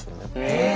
へえ。